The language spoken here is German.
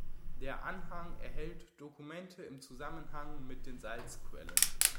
Der Anhang erhält Dokumente im Zusammenhang mit den Salzquellen.